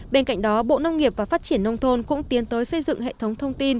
bên cạnh đó bộ nông nghiệp và phát triển nông thôn cũng tiến tới xây dựng hệ thống thông tin